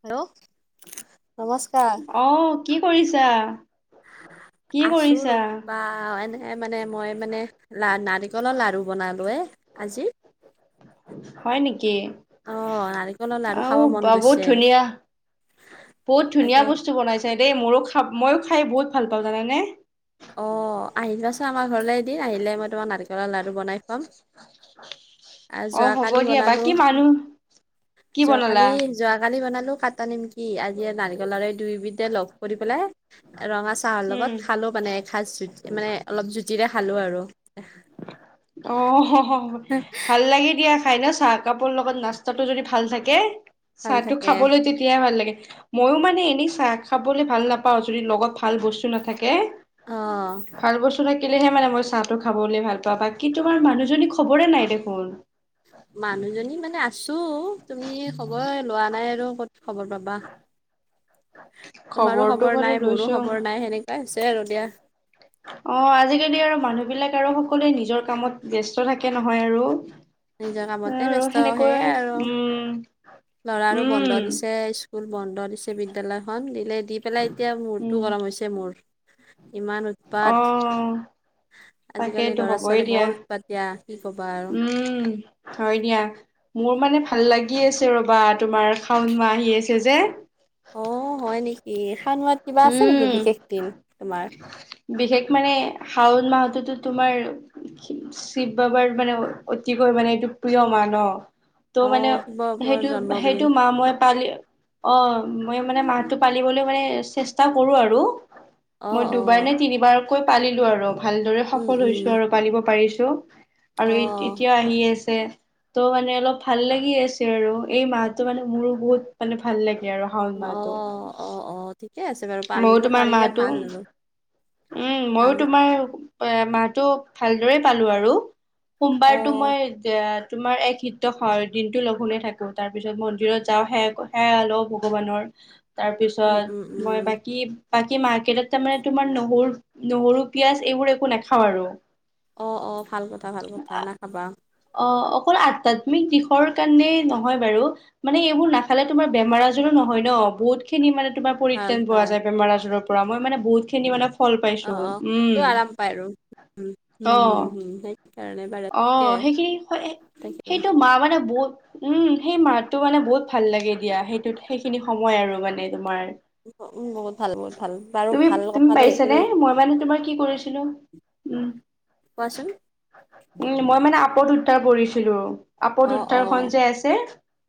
Hello [inaudible] নমস্কাৰ। অঁ! কি কৰিছা? কি কৰিছা? [unintelligible] আহ এনেই [unintelligible] এই মানে মই মানে লা নাৰিকলৰ লাড়ু বনালোঁ এই আজি [unintelligible] হয় নেকি, অ' নাৰিকলৰ লাৰু খাব আহ' মন বহুত গৈছে। ধুনীয়া। বহুত ধনীয়া তাকে বস্তু। আ দেই মোৰো খা, মইও খাই বহুত ভাল পাওঁ জানানে। অ আহিবাচোন আমাৰ ঘৰলৈ এদিন আহিলে মই তোমাৰ নাৰিকলৰ লাড়ু বনাই খোৱাম আ অ হ'ব যোৱাকালি দিয়া বনালো বাকী মানুহ কি যোৱাকালি বনালা যোৱাকালি বনালো কাটা নিমকি আজি নাৰিকলৰে দুবিধে লগ কৰি পেলাই ৰঙা চাহৰ উম লগত খালোঁ মানে এসাজ জুতি মানে অলপ জুতিৰে খালো আৰু অ' অ' ভাল। ভাল লাগে দিয়া। খাই না চাহ কাপৰ লগত নাস্তাটো যদি ভাল থাকে ভাল চাহ টো থাকে খাবলৈ তেতিয়াহে ভাল লাগে। মইও মানে এনেই চাহ খাবলৈ ভাল নাপাওঁ যদি লগত ভাল বস্তু নাথাকে। অঁ ভাল বস্তু থাকিলেহে মানে মই চাহটো খাবলৈ ভাল পাওঁ বাকী তোমাৰ মানুহজনী খবৰে নাই দেখোন। মানুহজনী মানে আছোঁ। তুমি খবৰ লোৱা নাই আৰু ক'ত, খবৰ পাবা। তোমাৰো খবৰটো খবৰ বাৰু নাই মোৰো লৈছো খবৰ নাই তেনেকুৱা। হেনেকুৱাই হৈছে আৰু দিয়া অ' অ' আজিকালি আৰু মানুহ বিলাক আৰু সকলোৱে নিজৰ কামত ব্যস্ত থাকে নহয় আৰু। নিজৰ কামতে আৰু ব্যস্ত সেয়ে সেনেকৈ আৰু উম ল'ৰাৰো বন্ধ উম দিছে। স্কুল বন্ধ দিছে বিদ্যালয়খন দিলে দি পেলাই এতিয়া উম মূৰটো গৰম হৈছে মোৰ ইমান উৎপাত অ' আজিকালি তাকেইতো ল'ৰা হ'বই ছোৱালী দিয়া বৰ উৎপাত দিয়া কি ক'বা আৰু উম' হয় দিয়া মোৰ মানে ভাল লাগি আছে ৰবা তোমাৰ শাওন মাহ আহি আছে যে। অ' হয় নেকি শাওন মাহত কিবা আছে নেকি উম বিশেষ দিন তোমাৰ। বিশেষ মানে শাওণ মাহটোতো তোমাৰ। শিৱ বাবাৰ মানে অতিকৈ মানে এইটো প্ৰিয় মাহ নহ। ত' অ মানে শিৱ সেইটো জন্মদিন সেইটো মাহ মই পালি। অঁ মই মানে মাহটো পালিবলৈ মানে চেষ্টা কৰোঁ আৰু। অ মই অ দুবাৰ নে তিনিবাৰকৈ পালিলো আৰু ভালদৰে উম সফল উম হৈছোঁ আৰু পালিব পাৰিছোঁ। আৰু অ এতিয়া আহি আছে। ত' মানে অলপ ভাল লাগি আছে আৰু এই মাহটো মানে মোৰো বহুত মানে ভাল লাগে আৰু। শাওণ অ' অ' অ ঠিকে আছে বাৰু। মইও পাৰিব তোমাৰ পাৰিলে মাহটো ভাল আৰু উম' মইও ভাল তোমাৰ, এ মাহটো ভালদৰে পালো আৰু, অ সোমবাৰটো মই এ, তোমাৰ এক হিত্য হয় দিনটো লঘোণে থাকো। তাৰ পিছত মন্দিৰত যাওঁ সেৱা সেৱা লও ভগৱানৰ। উম উম তাৰপিছত উম মই বাকী বাকী মাৰ্কেটত তাৰ মানে তোমাৰ নহৰু, নহৰু পিয়াজ এইবোৰ একো নাখাওঁ আৰু অ' অ' ভাল কথা ভাল কথা নাখাবা। অ' অকল আধ্যাত্মিক দিশৰ কাৰণে নহয় বাৰু, মানে, এইবোৰ নাখালে তোমাৰ বেমাৰ আজাৰো নহয় ন বহুত খিনি মানে তোমাৰ, ভাল পৰিত্ৰাণ পোৱা ভাল যায় বেমাৰ আজাৰৰ পৰা মই মানে বহুতখিনি মানে ফল পাইছো অ', উম, অ', আৰাম পায় আৰু মম মম হম্ অ'। হম্ হম্ সেইকাৰণে। বাৰু তাকে অ', সেইখিনি হৈ তাকে এই মাহ মানে বহুত উম, সেই মাহটো মানে বহুত ভাল লাগে দিয়া, সেইটো সেইখিনি সময় আৰু মানে তোমাৰ। উম বহুত ভাল বহুত ভাল বাৰু তুমি ভাল তুমি কথা দেই পাৰিছানে মই মানে তোমাৰ কি কৈছিলো উম। কোৱা চোন। উম, মই মানে আপদ উত্তাৰখন কৰিছিলো। অ আপদ অ উত্তাৰখন যে আছে।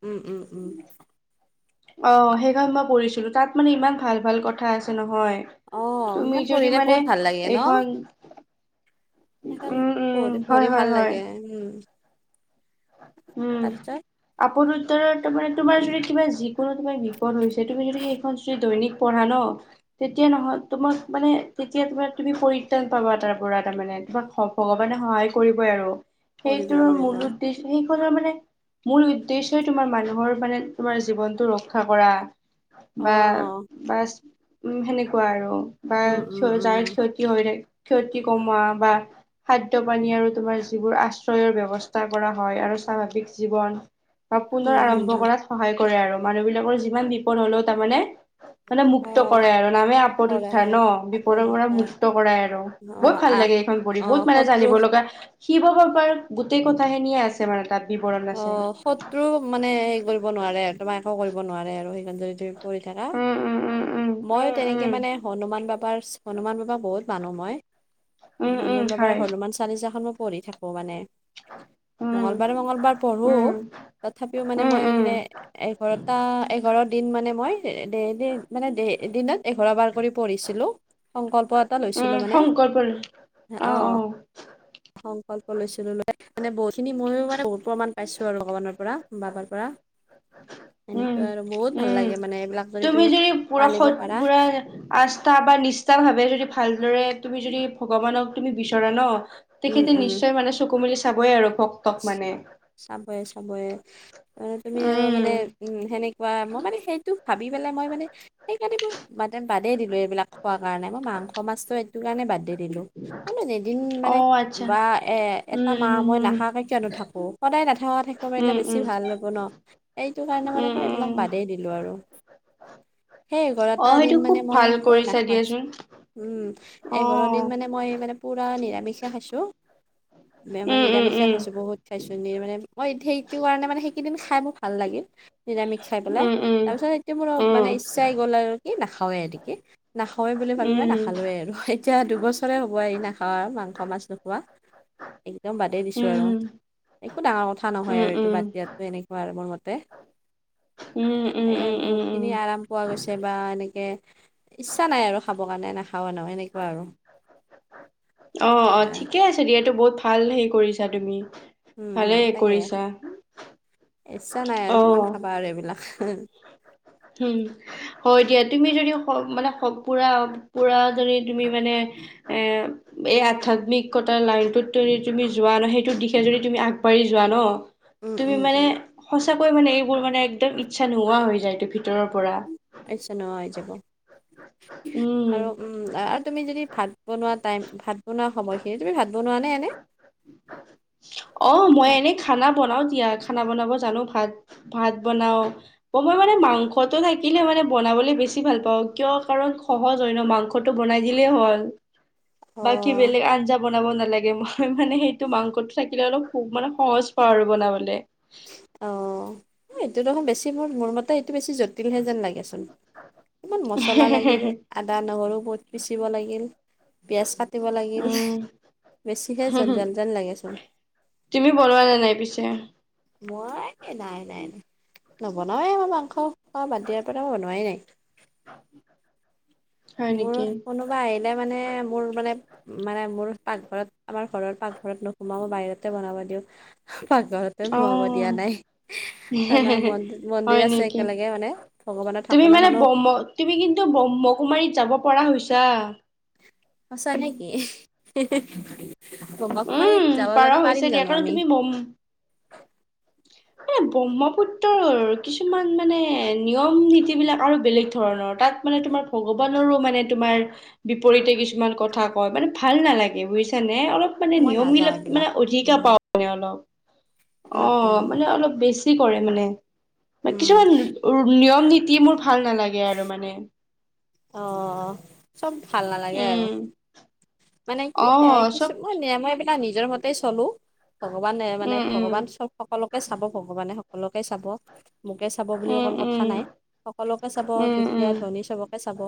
উম উম উম অ', সেইখন মই পঢ়িছিলো তাত মানে ইমান ভাল ভাল কথা আছে নহয়। অ তুমি সেইখন যদি পঢ়িলে মানে বহুত ভাল লাগে ন এইখন সেইখন উম উম পঢ়ি হয় পঢ়ি হয় ভাল হয় লাগে উমঁ। উম। আপোন উত্তৰৰত তাৰ মানে তোমাৰ যদি কিবা যিকোনো তোমাৰ বিপদ হৈছে, তুমি যদি সেইখন যদি দৈনিক পঢ়া ন- তেতিয়া নহয় তোমাক মানে তেতিয়া তোমাৰ তুমি পৰিত্ৰাণ পাবা তাৰ পৰা মানে, তোমাক- ভগৱানে সহায় কৰিবই আৰু। কৰিব সেইটোৰ কৰিব মূল উদ্দেশ্য সেইখনৰ মানে- মূল উদ্দেশ্য হয় তোমাৰ মানুহৰ মানে তোমাৰ জীৱনটো ৰক্ষা কৰা। অ বা বাছ উম সেনেকুৱাই আৰু বা উম উম চুল জাই উম ক্ষত- কি হৈ থাকে ক্ষিয়ত্ৰী কমোৱা বা খাদ্য পানী আৰু তোমাৰ যিবোৰ আশ্ৰয়ৰ ব্যৱস্থা- কৰা হয়, আৰু চাভাবিক জীৱন বা পুনৰ উম, হুম, আৰম্ভ হুম, কৰাত- সহায় কৰে আৰু। মানুহ বিলাকৰ যিমান বিপদ হ'লেও তাৰমানে- মানে মুক্ত অ', কৰাই আৰু, নামে আপদ কৰে উঠাই কৰে ন আকৌ বিপদৰ পৰা দুটা মুক্ত কৰাই আৰু। অ', বহুত ভাল আহ লাগে এইখন পঢ়ি অ', বহুত মানে শত্ৰু জানিব লগা শিৱ বাবাৰ গোটেই খিনিয়ে আছে- মানে তা'ত বিৱৰণ- আছে অ', শত্ৰু মানে হেৰি কৰিব নোৱাৰে, তোমাৰ আকো কৰিব নোৱাৰে আৰু, সেইকাৰণে যদি - কৰি থাকা। উম উম উম উম মই উম উম তেনেকে মানে হনুমান বাবাৰ, হনুমান বাবা বহুত মানুহ মই। উম উম হনুমান বাবাৰ হয় হনুমান চালিচাখন মই পঢ়ি থাকো মানে। উম মঙলবাৰে মঙলবাৰ- পঢ়ো, উম, তথাপিও মানে উম, মই উম, মানে এঘাৰটা এগৰৰ দিন মানে মই এ ডেইলী মানে দে দিনত এঘাৰ বাৰ কৰি পঢ়িছিলো। সংকল্প টা লৈছিলো উম, মানে সংকল্প লৈ অ', অঁ। অ', সংকল্প লৈছিলো। বহুতখিনি ময়ো মানে বহুত প্ৰমাণ- পাইছোঁ আৰু ভগবানৰ পৰা, বাবাৰ পৰা। উম, সেনেকুৱাই আৰু, বহুত ভাল উম, লাগে মানে এইবিলাক মানে তুমি যদি পুৰা মানিব সৎ পাৰা। পুৰা আস্থা বা নিষ্ঠাৰ ভাবে যদি ভালদৰে তুমি যদি ভগৱানক তুমি বিচৰা ন- উম তেখেতে উম নিশ্চয় মানে চকু মেলি চাবই আৰু ভকতক মানে। চাবয়ে চাবয়ে অ', তুমি আৰু উম, মানে উম, সেনেকে- কোৱা, মই মানে সেইটো ভাবি পেলাই মই মানে- সেই কাৰণে মই বাদেই দিলো এইবিলাক খোৱাৰ কাৰণে। মই মানস, মাছটো- সেইটো কাৰণে বাদ দি দিলো মানে এদিন মানে অ', আচ্ছা বা এ এটা উম, মা উম, মই নোখোৱাকে- নাথাকো। সদায় নথকা থাকিব পাৰিলে উম, উম, বেছি উম, ভাল হ'ব ন এইটো কাৰণে মানে উম, মই এইবিলাক উম, বাদেই- দিলো আৰু। সেই এঘাৰটা অ', দিন সেইটো মানে খুব মই ভাল একোৱে কৰিছা নাপাইছিলো। দিয়াচোন উমঁ, এঘাৰ অ', দিন মানে মই মানে- পুৰা নিৰামিচে খাইছোঁ, মই মানে উম, উম, নিৰামিছাই উম, খাইছোঁ। বহুত খাইছো মানে। মোৰ সেইটো কাৰণে মানে সেইকেইদিন খাই বহুত ভাল লাগে। নিৰামিষ খাই পেলাই উম, উম, তাৰপিছত এতিয়া মোৰ উম, মানে ইচ্ছা আহি গ'ল আৰু কি নাখাওঁৱে এনেকে। নাখাৱেই বুলি ভাবি পেলাই উম, নাখালোৱে আৰু। এতিয়া দুবছৰে হ'ব এ নোখোৱা মাংস, মাছ নোখোৱা, একদম বাদেই দিছোঁ উম, আৰু। একো ডাঙৰ কথা নহয় উম, আৰু এইটো উম, বাদ দিয়াটো এনেকুৱা আৰু মোৰ মতে। উম, উম, সেয়াই উম, উম, বহুত উম, খিনি আৰাম পোৱা গৈছে বা এনেকে ইচ্ছা নাই আৰু খাব কাৰণে নাখাওঁ ৱে ন এনেকুৱা আৰু। অ' অ' সেইয়া ঠিকে আছে দিয়াতো বহুত ভাল হেৰি কৰিছা তুমি উম উম ভালেই তাকে কৰিছা। ইচ্ছা নাই আৰু কিমান অ', খাবা আৰু এইবিলাক হে উম, হয় দিয়া। তুমি যদি স মানে স পুৰা, পুৰা যদি তুমি মানে এ এই আধ্যাত্মিকতাৰ লাইনটোত তুৰি তুমি যোৱা ন, সেইটোৰ দিশে যদি তুমি আগবাঢ়ি যোৱা ন উম তুমি উম মানে উম সঁচাকৈ মানে এইবোৰ মানে একদম ইচ্ছা নোহোৱা হৈ যায়টো ভিতৰৰ পৰা। [unintelligible] যাব উম। আৰু উম আ তুমি যদি ভাত বনোৱা টাইম, ভাত বনোৱা সময়খিনি, তুমি ভাত বনোৱা নে এনে? অ', মই ভাত এনেই খানা বনাও দিয়া, খানা বনাব জানো ভাত ভাত বনাও। অ', মই মানে মাংসটো থাকিলে মানে বনাবলে বেছি ভাল পাওঁ কিয় কাৰণ সহজ হয় ন মাংস টো বনাই দিলেই হ'ল। অ কি বেলেগ আঞ্জা বনাব নালাগে মই মানে সেইটো মাংসটো থাকিলে অলপ খুব মানে সহজ পাওঁ আৰু বনাবলে। অ', এইটো দেখোন বেছি মোৰ মোৰ মতে এইটো বেছি য'ত তিলহে যেন লাগেচোন অকমান মছলা লাগিল, আদা, নহৰু বোৰ পিচিব লাগিল, পিয়াজ কাটিব লাগিল উম, বেছিহে জনজাল যেন লাগেচোন। তুমি বনোৱা নে নাই পিছে? মই হে নাই নাই নাই নবনাওয়েই মই মাংস মই বাদ দিয়াৰ পৰা বনোৱাই নাই। হ মোৰ কোনোবা আহিলে মানে, মোৰ মানে মানে মোৰ পাকঘৰত, আমাৰ ঘৰৰ পাকঘৰত নোসোমাওঁ বাহিৰতে বনাব দিওঁ। পাকঘৰতে সোমাব দিয়া অ', নাই। এ নাই মন্দিৰ হয় মন্দিৰ আছে নেকি? একেলগে মানে ভগৱানৰ তুমি মানে থাপনাখনো ব্ৰহ্ম তুমি কিন্তু ব্ৰহ্মকুমাৰীত যাব পৰা হৈছা। সঁচা নেকি ইহ হি হি ব্ৰহ্মকুমাৰীত, যাব জানো পাৰিম জানো আমি! উম [unintelligible] এ ব্ৰহ্মপুত্ৰৰ কিছুমান মানে নিয়ম-নীতি বিলাক আৰু বেলেগ ধৰণৰ। তাত মানে তোমাৰ ভগৱান নৰো তোমাৰ বিপৰীতে কিছুমান কথা কয়, মানে ভাল নালাগে বুজিছা নে অলপ মানে মই নাযাওঁ নিয়মবিলাক মানে এইবিলাক অধিকহে উম পাওঁ মানে অলপ। অ', উম মানে অলপ বেছি কৰে মানে উম কিছুমান উৰ নিয়ম-নীতি মোৰ ভাল নালাগে আৰু মানে। অ চব ভাল নালাগে আৰু উম মানে কি অ এ চব কিছুমান [unintelligible] বা নিজৰ মতেই চ'লো। ভগৱানে মানে উম ভগৱান চব সকলোকে চাব ভগৱানে, সকলোকে চাব। মোকে চাব বুলি অকল উম কথা নাই। উম সকলোকে চাব। উম দুখীয়া, ধনী চবকে চাব।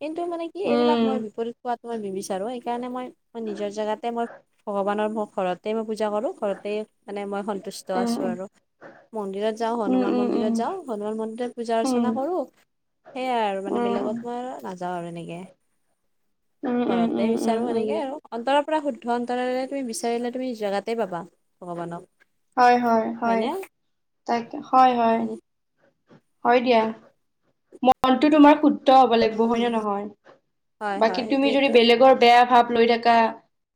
কিন্তু মানে কি উম এইবিলাক উম মই বিপৰীত হোৱাত মই নিবিচাৰো সেইকাৰণে মই মই নিজৰ জেগাতে মই ভগৱানৰ মোৰ ঘৰত তেই মই পূজা কৰোঁ, ঘৰতেই মানে মই সন্তুষ্ট উম আছোঁ আৰু। মন্দিৰত যাওঁ, উম উম হনুমান উম মন্দিৰত যাওঁ উম হনুমান মন্দিৰত পূজা উম অৰ্চনা কৰোঁ। সেইয়াই আৰু মানে বেলেগত- উম, নাযাওঁ আৰু এনেকে উম, উম, ঘৰতে উম, উম, বিচাৰো উম, এনেকে আৰু অন্তৰত- পৰা শুদ্ধ অন্তৰৰে তুমি বিচাৰিলে, তুমি জেগাতে পাবা ভগৱানক। হয় হয় হয় হয়নে তাকে, হয় হয়। উম হয় দিয়া মনটো তোমাৰ শুদ- দ্ধ হ'ব লাগিব হয় নে নহয়! হয় বাকী, হয় তুমি যদি সেইটোয়েতো বেলেগৰ বেয়া ভাৱ লৈ থাকা-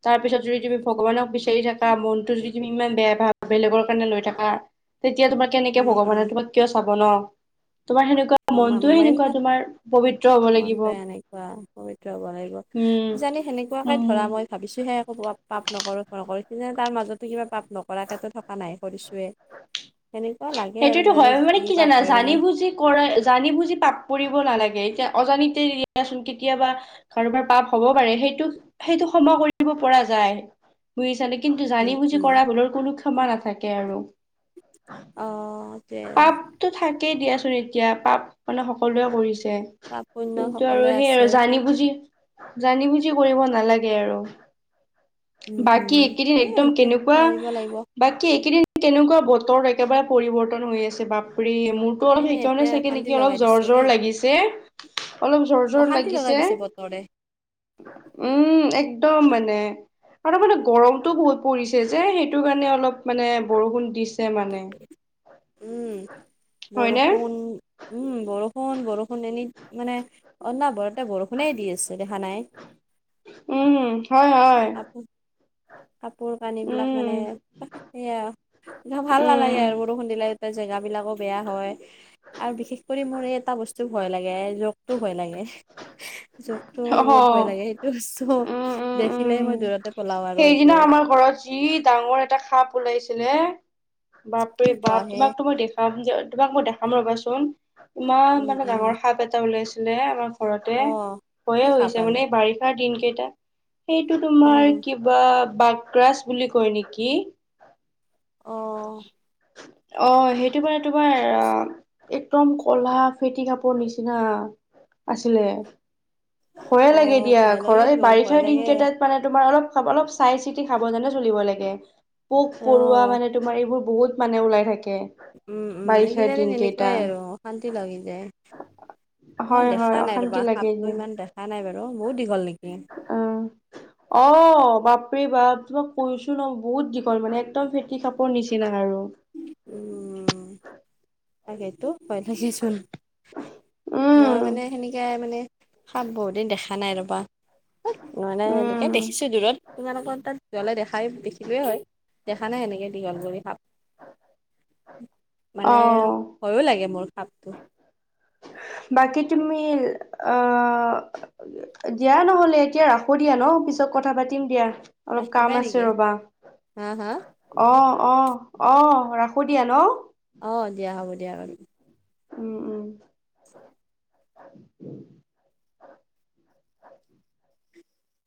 তাৰপিছত যদি তুমি ভগৱানক বিচাৰি থাকা, মনটো যদি- তুমি ইমান বেয়া ভাব বেলেগৰ কাৰণে লৈ থাকা, তেতিয়া তোমাৰ কেনেকে উম ভগৱানে তোমাক- হব ন তোমাৰ সেনেকুৱা- মা মনটোয়ে মাইন্দ সেনেকুৱা ভাগ তোমাৰ পবিত্ৰ হ'ব লাগিব। মনটোৱে এনেকুৱা প্ৰবিত্ৰ হব লাগিব। উম, কি জানি সেনেকুৱাকে ধৰা উম। মই- ভাবিছোঁহে একো পাপ পাপ নকৰ ধৰ কৰ মাজতো কিবা পাপ নকৰাকেতো থকা নাই কৰিছোহে। সেইটোতো হয় মানে যি কি পাপ জানা হয় জানি মানে বুজি- কৰা জানি বুজি পাপ পৰিব নালাগে এতিয়া অজানিতে দিয়াচোন কেতিয়াবা- কাৰোবাৰ পাপ হব পাৰে সেইটো সেইটো ক্ষমা কৰিব পৰা যায়। বুজি চানে কিন্তু জানি উম বুজি উম কৰা ভূলৰ কোনো ক্ষমা নাথাকে আৰু। অঁ'তে। তো থাকেই দিয়াচোন এতিয়া পাপ মানে সকলোৱে কৰিছে। পাপ পুণ্য কিন্তু আৰু সকলোৱে সে আছে আৰু জানি-বুজি, জানি-বুজি কৰিব নালাগে আৰু। উম উম বাকী এইকেদিন এ একদম সেইটো মাৰিব লাগিব কেনেকুৱা- বাকী এইকেইদিন কেনেকুৱা বতৰ একেবাৰে পৰিৱৰ্তন হৈ আছে বাপৰে মোৰ- ত এ অলপ একে সেইকাৰণে চাগে অশান্তি নেকি অলপ লগাই জ্বৰ দিছে দেই জৰ লাগিছে। অলপ জৰ জৰ অশান্তি লগাই লাগিছে দিছে বতৰে উম একদম মানে। আৰু মানে গৰমটো হৈ পৰিছে যে সেইটো কাৰণে অলপ মানে বৰষুণ দিছে মানে। উম হয়নে বৰষুণ- উম বৰষুণ বৰষুণ এনি মানে অনবৰতে বৰষুণে দি আছে দেখা নাই। উম হু হয় হয়। কাপোৰ কাপোৰ কানি বিলাক মানে উম সেয়া আ- ভাল উম নালাগে আৰু বৰষুণ দিলে এতিয়া জেগা বিলাকো বেয়া হয়। আৰু বিশেষ কৰি মোৰ এই এটা বস্তু ভয় লাগে ৰোগতটো ভয় লাগে। জোকতো মোৰ অ বহুত ভয় লাগে সেইটো উম বস্তু- উম উম দেখিলেই মই দুৰতে পলাও আৰু সেইদিনা সেইটোৱে। আমাৰ ঘৰত যি ডাঙৰ এটা সাপ ওলাইছিলে কি বাপৰে কোৱা বাপ হে তোমাকতো মই দেখ- পামযে তোমাক মই দেখাম ৰবাচোন ইমান উম মানে উম ডাঙৰ সাপ এটা উলাইছিলে আমাক- ঘৰতে অ ভয়ে কি সাপ হৈছে পালে মানে বাৰিষাৰ দিন কেইটা সেইটো উম তোমাৰ কি- বা বাগ্ৰাছ বুলি কয় নেকি। অঁ। অঁ সেইটো বা তোমাৰ অঁ। একদম কলা ফেটি সাপৰ নিচিনা। আছিলে ভয়ে লাগে অ', দিয়া ভয় ঘৰত এই লাগেতো ভয় বাৰিষাৰ দিন লাগে। কেইটাত- মানে তোমাৰ অলপ অলপ চাই চিতি খাব জানে চলিব লাগে। পোক পৰুৱা মানে উম, তোমাৰ এইবোৰ বহুত মানে ওলাই থাকে। উম উম বাৰিষাৰ এইকেইটা দিন এনেকুৱাই কেইটা। আৰু অশান্তি লাগি যায় হয় মই হয় দেখা- নাই অশান্তি ৰবা লাগে সাপটো দিম ইমান দেখা নাই বাৰু বহুত দীঘল নেকি। অ অ বাপৰে বাপ তোমাক কৈছো ন বহুত দীঘল মানে একদম ফেটি সাপৰ নিচিনা আৰু উম তাকেইতো ভয় লাগেচোন মই উম মানে সেনেকাই মানে - সাপ বহুতদিন দেখা নাই ৰ'বা মানে উম এনেকে দেখিছোঁ দূৰত তোমালোকৰ তাত যালে দেখাই দেখিলোৱেই হয়। দেখা নাই এনেক দীঘল কৰি সাপ অ মানে আৰু ভয়ো লাগে মোৰ সাপটো বাকি তুমি অ দিয়া নহলে এতিয়া ৰাখো দিয়া ন পিছত কথা পাতিম দিয়া। অলপ কাম ৰাখিবাই আছে নেকি ৰ'বা হা, হা অ অ অ ৰাখো দিয়া ন। অ দিয়া হ'ব দিয়া বাৰু উম উম